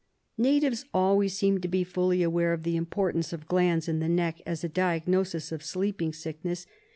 Natives always seem to be fully aware of the import ance of glands in the neck as a diagnosis of sleeping sick ness.